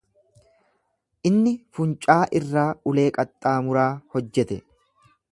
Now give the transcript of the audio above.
Inni funcaa irraa ulee qaxxaamuraa hojjete.